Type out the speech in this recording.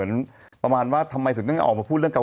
นางถึง